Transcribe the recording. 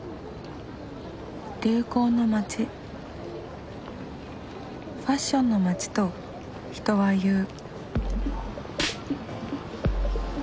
流行の街ファッションの街と人は言う。